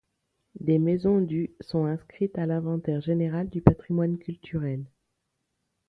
Des maisons du sont inscrites à l'Inventaire général du patrimoine culturel.